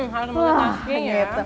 harum banget mas g ya